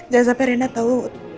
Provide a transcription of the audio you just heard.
jangan sampai rena tau